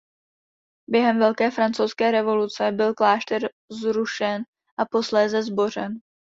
Během Velké francouzské revoluce byl klášter zrušen a posléze zbořen.